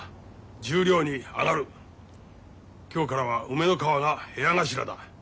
今日からは梅ノ川が部屋頭だ。